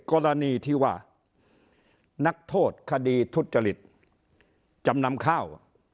กรณีที่ว่านักโทษคดีทุจริตจำนำข้าว